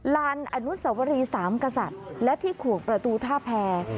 ลานอนุสวรีสามกษัตริย์และที่ขวงประตูท่าแพร